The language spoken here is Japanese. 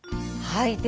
はい。